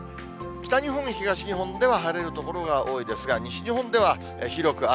北日本、東日本では晴れる所が多いですが、西日本では広く雨。